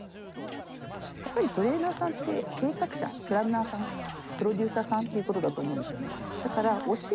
やっぱりトレーナーさんって計画者プランナーさんプロデューサーさんっていうことだと思うんですよね。